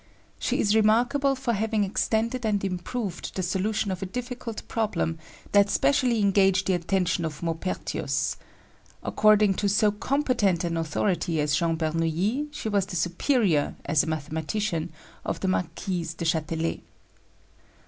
She is remarkable for having extended and improved the solution of a difficult problem that specially engaged the attention of Maupertuis. According to so competent an authority as Jean Bernouilli, she was the superior, as a mathematician, of the Marquise de Châtelet.